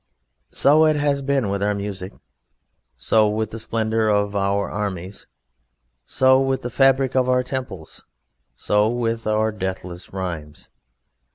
So it has been with our music, so with the splendour of our armies, so with the fabric of our temples, so with our deathless rhymes.